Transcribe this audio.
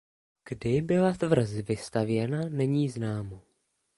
Kdy byla tvrz vystavěna není známo.